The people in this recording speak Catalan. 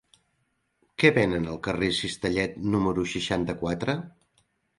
Què venen al carrer del Cistellet número seixanta-quatre?